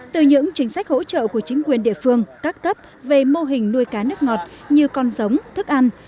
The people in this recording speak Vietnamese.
từ những chính sách hỗ trợ của chính quyền địa phương các cấp về mô hình nuôi cá nước ngọt như con giống thức ăn